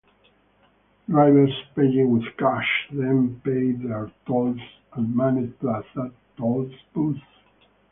Drivers paying with cash then pay their tolls at manned plaza tollbooths.